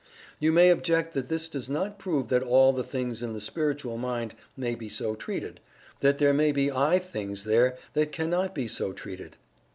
You may object that this does not prove that all the things in the Spiritual Mind may be so treated that there may be "I" things there that can not be so treated.